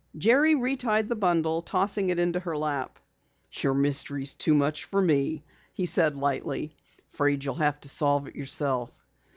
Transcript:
Jerry retied the bundle, tossing it into her lap. "Your mystery is too much for me," he said lightly. "Afraid you'll have to solve it yourself."